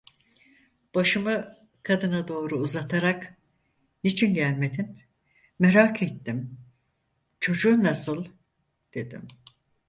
Başımı kadına doğru uzatarak: "Niçin gelmedin? Merak ettim! Çocuğun nasıl?" dedim.